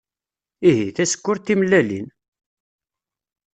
Ihi, tasekkurt timellalin!